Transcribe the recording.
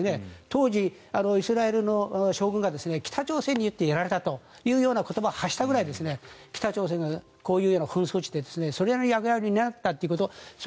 当時、イスラエルの将軍が北朝鮮にやられたという言葉を発したくらい北朝鮮がこういう紛争地でそれなりに役立ったということ。